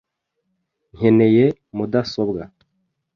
Nkeneye mudasobwa .